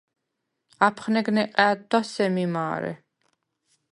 აფხნეგ ნეყა̄̈დდა სემი მა̄რე.